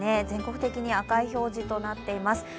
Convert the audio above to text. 全国的に赤い表示となっております。